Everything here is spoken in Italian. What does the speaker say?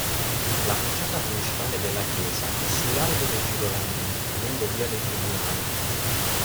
La facciata principale della chiesa è su largo dei Girolamini, lungo via dei Tribunali.